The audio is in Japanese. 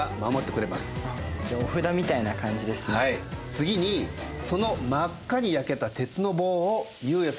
次にその真っ赤に焼けた鉄の棒を悠也さんの手の上に置きます。